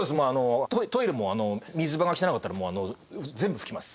トイレも水場が汚かったらもう全部拭きます。